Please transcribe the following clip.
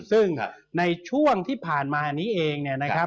ซึ่งในช่วงที่ผ่านมานี้เองเนี่ยนะครับ